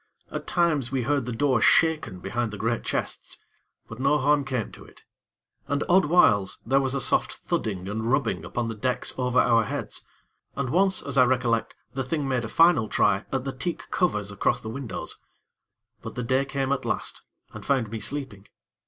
At times we heard the door shaken behind the great chests; but no harm came to it. And, odd whiles, there was a soft thudding and rubbing upon the decks over our heads, and once, as I recollect, the Thing made a final try at the teak covers across the windows; but the day came at last, and found me sleeping.